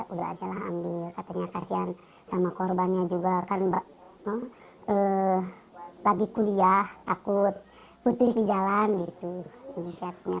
ya udah ajalah ambil katanya kasian sama korbannya juga kan lagi kuliah takut putus di jalan gitu inisiatifnya